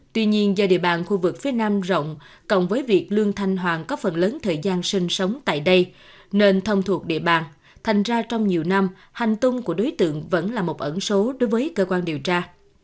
tuy nhiên do địa bàn khu vực phía nam rộng cộng với việc lương thanh hoàng có phần lớn thời gian sinh sống tại đây nên thông thuộc địa bàn thành ra trong nhiều năm hành tung của đối tượng vẫn là một ẩn số đối với cơ quan điều tra